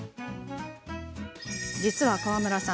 実は川村さん